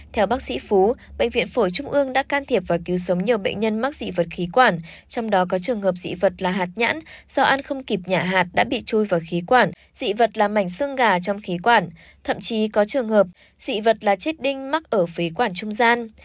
theo bác sĩ phú bệnh viện phổi trung ương đã can thiệp và cứu sống nhiều bệnh nhân mắc dị vật khí quản trong đó có trường hợp dị vật là hạt nhãn do ăn không kịp nhả hạt đã bị chui vào khí quản dị vật làm mảnh xương gà trong khí quản thậm chí có trường hợp dị vật là chết đinh mắc ở phế quản trung gian